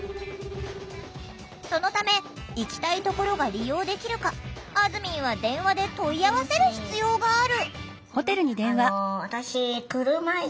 そのため行きたいところが利用できるかあずみんは電話で問い合わせる必要がある！